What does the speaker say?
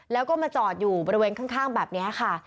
แล้วก็มาจอดอยู่บริเวณข้างแบบนี้ค่ะ